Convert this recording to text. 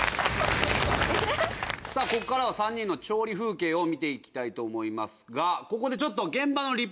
さあここからは３人の調理風景を見ていきたいと思いますがここでちょっと。